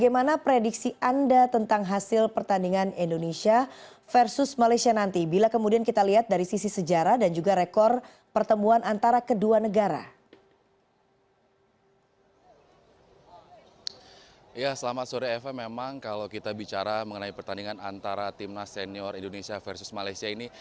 mengenai pertandingan antara tim nasional indonesia versus malaysia ini